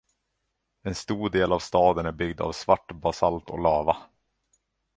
En stor del av staden är byggd av svart basalt och lava.